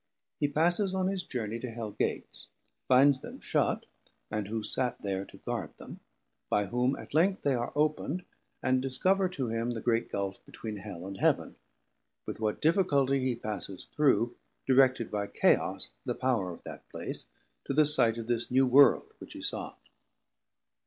He passes on his Journey to Hell Gates, finds them shut, and who sat there to guard them, by whom at length they are op'nd, and discover to him the great Gulf between Hell and Heaven; with what difficulty he passes through, directed by Chaos the Power of that place, to the sight of this new World which he sought.